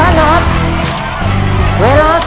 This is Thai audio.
น่าจะเหมือนว่า๑๐๙ไม้แล้วนะฮะ